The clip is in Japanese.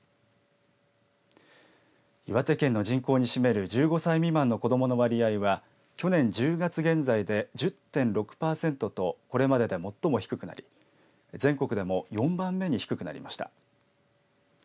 岩手県の人口に占める１５歳未満の子どもの割合は去年１０月現在で１０．６パーセントとこれまでで最も低くなり全国でも４番目に低くなりました。